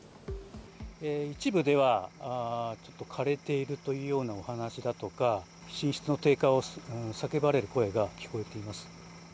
一部ではちょっと枯れているというようなお話だとか、品質の低下を叫ばれる声が聞こえています。